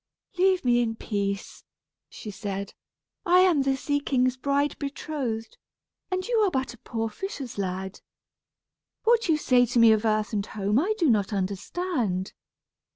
"Leave me in peace," she said, "I am the sea king's bride betrothed, and you are but a poor fisher's lad. What you say to me of earth and home I do not understand.